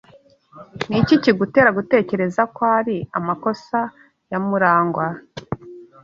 Ni iki kigutera gutekereza ko ari amakosa ya Murangwa?